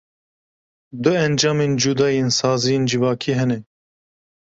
Du encamên cuda yên saziyên civakî hene.